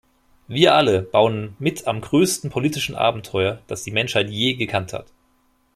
Wir alle bauen mit am größten politischen Abenteuer, das die Menschheit je gekannt hat.